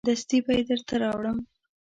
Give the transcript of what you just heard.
دستي به یې درته راوړم.